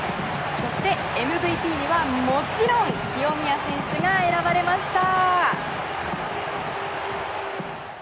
そして、ＭＶＰにはもちろん清宮選手が選ばれました。